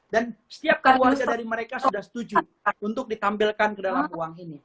dan setiap keluarga dari mereka sudah setuju untuk ditampilkan ke dalam uang ini